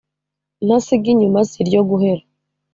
ntasiga inyuma si iryo guhera.